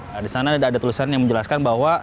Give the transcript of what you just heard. nah disana ada tulisan yang menjelaskan bahwa